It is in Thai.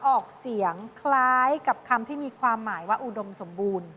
ออกเสียงคล้ายกับคำที่มีความหมายว่าอุดมสมบูรณ์